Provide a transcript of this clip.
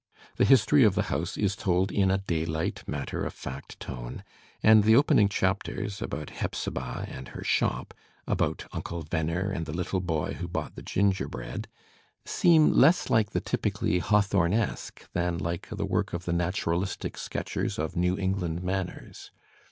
The history of the house is told in a daylight, matter of fact tone, and the opening chapters about Hepzibah and her shop, about Uncle Venner and the little boy who bought the gingerbread, Digitized by Google HATVTHOBNE 87 seem less like the typically Hawthomesque than like the work of the naturalistic sketchers of New England manners.